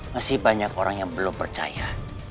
masih banyak orang yang belum percaya